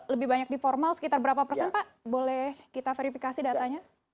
lebih banyak di formal sekitar berapa persen pak boleh kita verifikasi datanya